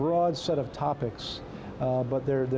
salah satu panel kami akan membahas hal hal